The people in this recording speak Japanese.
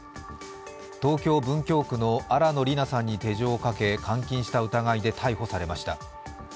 東京・文京区の新野りなさんに手錠をかけ監禁した疑いで逮捕されました。